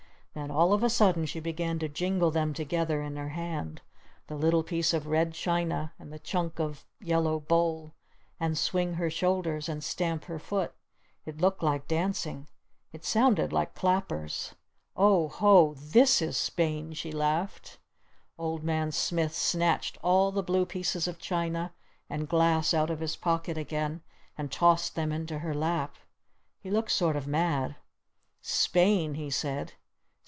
Then all of a sudden she began to jingle them together in her hand, the little piece of red china and the chunk of yellow bowl! And swing her shoulders! And stamp her foot! It looked like dancing. It sounded like clappers. "Oh, Ho! This is Spain!" she laughed. Old Man Smith snatched all the blue pieces of china and glass out of his pocket again and tossed them into her lap. He looked sort of mad. "Spain?" he said.